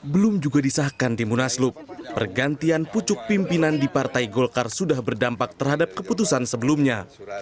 belum juga disahkan di munaslup pergantian pucuk pimpinan di partai golkar sudah berdampak terhadap keputusan sebelumnya